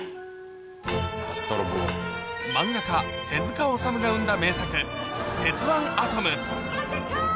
漫画家、手塚治虫が生んだ名作、鉄腕アトム。